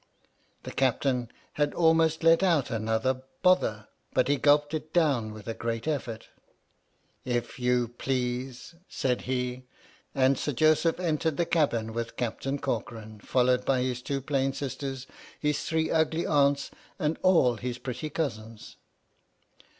The Captain had almost let out another " Bother! " but he gulped it down with a great effort. " If you pieasel " said he, and Sir Joseph entered the cabin with Captain Corcoran, followed by his two plain sisters, his three ugly aunts, and all his pretty cousins.